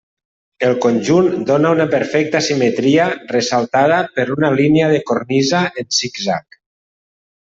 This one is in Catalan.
El conjunt dóna una perfecta simetria ressaltada per una línia de cornisa en zig-zag.